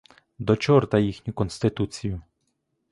До чорта їхню конституцію!